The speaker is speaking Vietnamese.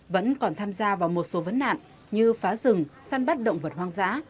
vẫn còn tham gia vào một số vấn nạn như phá rừng săn bắt động vật hoang dã